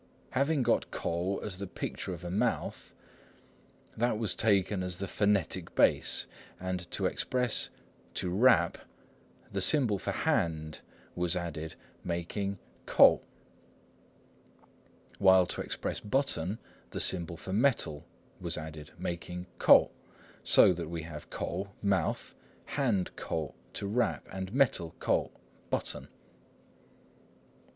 Having got 口 k'ou as the picture of a mouth, that was taken as the phonetic base, and to express "to rap," the symbol for "hand," 手 or 扌, was added, making 扣; while to express "button," the symbol for "metal," 金 was added, making 釦. So that we have k'ou = "mouth," hand k'ou = "to rap," and metal k'ou = "button."